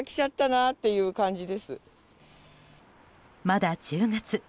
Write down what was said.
まだ１０月。